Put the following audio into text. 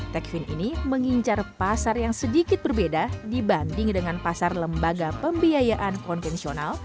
techfin ini mengincar pasar yang sedikit berbeda dibanding dengan pasar lembaga pembiayaan konvensional